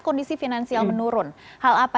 kondisi finansial menurun hal apa